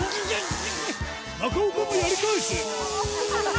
中岡もやり返す！